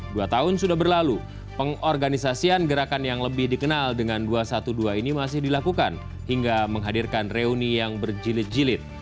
dua tahun sudah berlalu pengorganisasian gerakan yang lebih dikenal dengan dua ratus dua belas ini masih dilakukan hingga menghadirkan reuni yang berjilid jilid